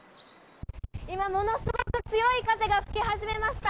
今、ものすごく強い風が吹き始めました。